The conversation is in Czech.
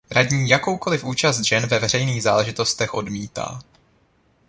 Radní jakoukoliv účast žen ve veřejných záležitostech odmítá.